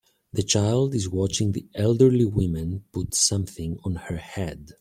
The child is watching the elderly women put something on her head.